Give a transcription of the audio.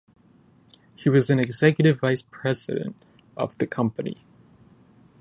He was an Executive Vice President of the company.